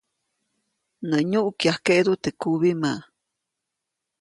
Nä nyuʼkyajkeʼdu teʼ kubimä.